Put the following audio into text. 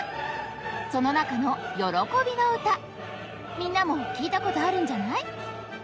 みんなもきいたことあるんじゃない？